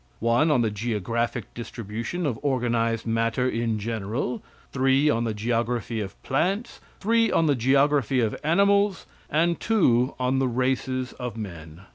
One on the geographic distribution of organized matter in general, Three on the geography of plants. Three on the geography of animals; and Two on the races of men.